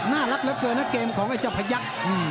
น่ารักเล็กเกินนะเกมของจะพยัก